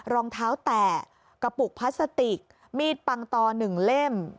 รองเท้าแตะกระปุกพลาสติกมีดปังตอ๑เล่ม